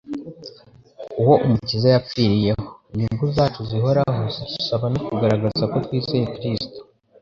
uwo Umukiza yapfiriyeho. Inyungu zacu zihoraho, zidusaba no kugaragaza ko twizeye Kristo.